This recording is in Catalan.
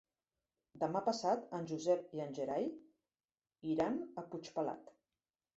Demà passat en Josep i en Gerai iran a Puigpelat.